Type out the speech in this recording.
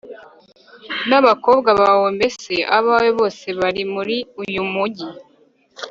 N abakobwa bawe mbese abawe bose bari muri uyu mugi